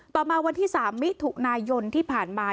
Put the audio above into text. ต่อมาวันที่๓มิลลิเมตรถูกนายยนต์ที่ผ่านมา